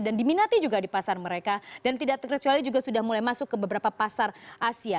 dan diminati juga di pasar mereka dan tidak terkecuali juga sudah mulai masuk ke beberapa pasar asia